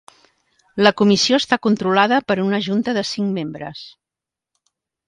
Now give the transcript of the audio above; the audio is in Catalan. La Comissió està controlada per una junta de cinc membres.